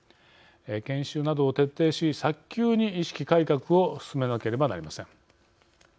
研修などを徹底し早急に意識改革を進めなければなりません。